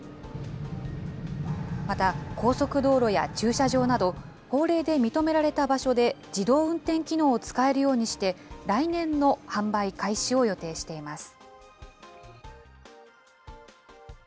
また、高速道路や駐車場など、法令で認められた場所で自動運転機能を使えるようにして、来年の販売開始を予定しています。